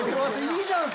いいじゃん！